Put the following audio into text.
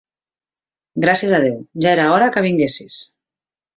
Gràcies a Déu, ja era hora que vinguessis!